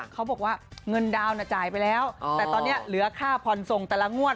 เขาบอกว่าเงินดาวนจ่ายไปแล้วแต่ตอนนี้เหลือค่าผ่อนส่งแต่ละงวด